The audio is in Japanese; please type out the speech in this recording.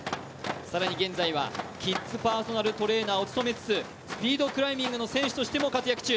更に現在は、キッズパーソナルトレーナーを務めつつ、スピードクライミングの選手としても活躍中。